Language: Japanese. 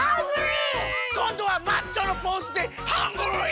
こんどはマッチョのポーズでハングリー！